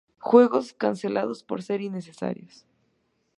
Juegos cancelados por ser innecesarios